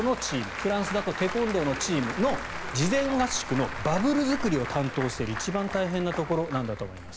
フランスだとテコンドーのチームの事前合宿のバブル作りを担当している一番大変なところなんだと思います。